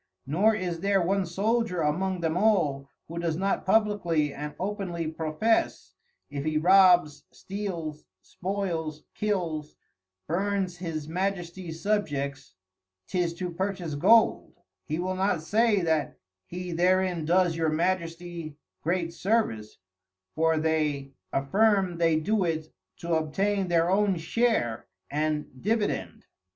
Nor is there one Soldier among them all, who does not publickly and openly profess, if he robs, steals, spoils, kills, burns His Majesties Subjects, 'tis to purchase Gold: He will not say that he therein does your Majesty great Service, for they affirm they do it to obtain their own Share and Dividend.